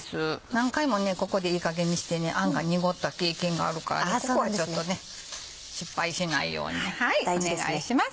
何回もここでいいかげんにしてあんが濁った経験があるからここはちょっと失敗しないようにお願いします。